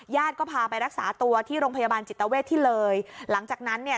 ก็พาไปรักษาตัวที่โรงพยาบาลจิตเวทที่เลยหลังจากนั้นเนี่ย